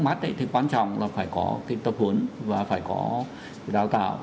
trong mắt thì quan trọng là phải có tập huấn và phải có đào tạo